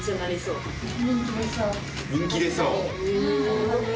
・人気出そう？